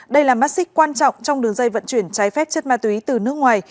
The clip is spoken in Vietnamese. đây là mắt xích quan trọng trong đường dây vận chuyển trái phép chất ma túy từ nước ngoài